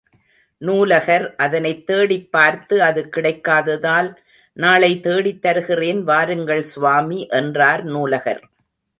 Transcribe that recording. நூலகர் அதனைத் தேடிப் பார்த்து அது கிடைக்காததால், நாளை தேடித் தருகிறேன் வாருங்கள் சுவாமி என்றார் நூலகர்.